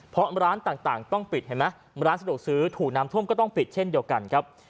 เพราะร้านต่างต้องปิดเห็นไหมร้านสะดวกซื้อถูกน้ำท่วมก็ต้องปิดเช่นเดียวกันครับ